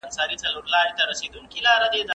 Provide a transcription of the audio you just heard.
هغه باور لري چي حقيقت به يوه ورځ ښکاره سي.